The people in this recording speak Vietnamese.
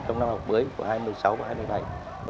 trong năm học mới của hai mươi sáu và hai mươi bảy